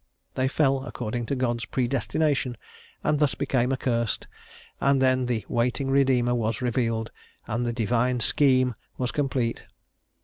They fell, according to God's predestination, and thus became accursed, and then the waiting Redeemer was revealed, and "the divine scheme" was complete.